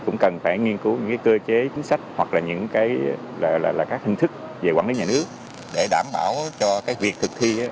chính sách hoặc là những cái là các hình thức về quản lý nhà nước để đảm bảo cho cái việc thực thi